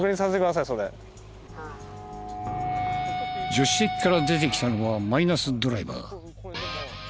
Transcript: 助手席から出てきたのはマイナスドライバー。